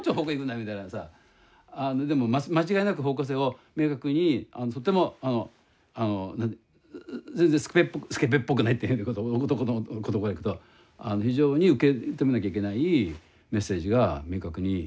みたいなさでも間違いなく方向性を明確にとってもあのあの全然スケベっぽく「スケベっぽくない」って変な男の言葉だけど非常に受け止めなきゃいけないメッセージが明確に絵になってる。